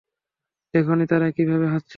দেখোনি তারা কিভাবে হাসছিল?